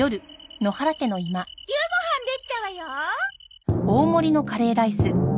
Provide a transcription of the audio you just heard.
夕ご飯できたわよ！